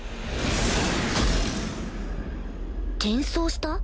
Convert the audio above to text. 転送した？